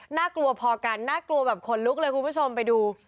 น่ากลัวพอกันน่ากลัวแบบขนลุกเลยคุณผู้ชมไปดู